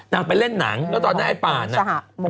ไปเล่นหนังแล้วตอนนั้นไอ้ป่าน่ะ